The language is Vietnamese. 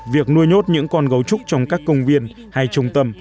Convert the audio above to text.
việc nuôi nhốt những con gấu trúc trong các công viên hay trung tâm